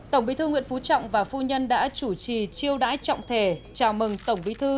tổng bí thư nguyễn phú trọng và phu nhân đã chủ trì chiêu đãi trọng thể chào mừng tổng bí thư